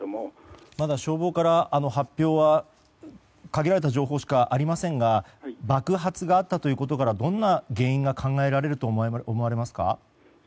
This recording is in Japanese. まだ消防から発表は限られた情報しかありませんが爆発があったということからどんな原因が考えられると思いますか？